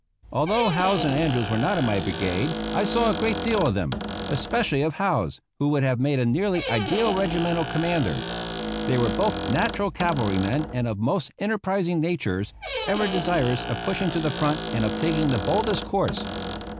Although Howze and Andrews were not in my brigade, I saw a great deal of them, especially of Howze, who would have made a nearly ideal regimental commander. They were both natural cavalry men and of most enterprising natures, ever desirous of pushing to the front and of taking the boldest course.